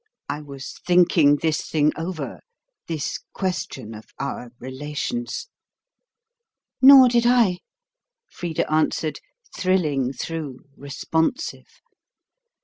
I was thinking this thing over this question of our relations." "Nor did I," Frida answered, thrilling through, responsive.